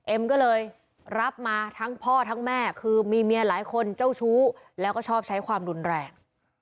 เอ็มก็เลยรับมาทั้งพ่อทั้งแม่คือมีเมียหลายคนเจ้าชู้แล้วก็ชอบใช้ความรุนแรง